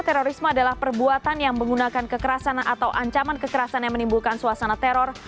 terorisme adalah perbuatan yang menggunakan kekerasan atau ancaman kekerasan yang menimbulkan suasana teror